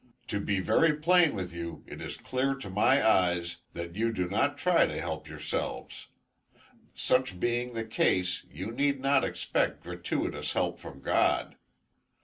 To be very plain with you, it is clear to my eyes, that you do not try to help yourselves; such being the case, you need not expect gratuitous help from God.